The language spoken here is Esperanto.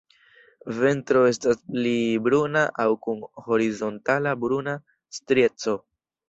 Ventro estas pli bruna aŭ kun horizontala bruna strieco.